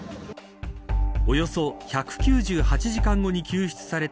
およそ１９８時間後に救出された